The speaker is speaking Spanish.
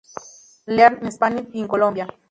Learn Spanish in Colombia.